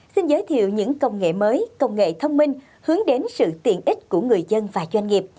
xin giới thiệu những công nghệ mới công nghệ thông minh hướng đến sự tiện ích của người dân và doanh nghiệp